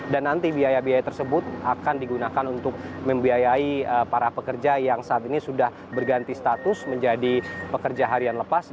dan nanti biaya biaya tersebut akan digunakan untuk membiayai para pekerja yang saat ini sudah berganti status menjadi pekerja harian lepas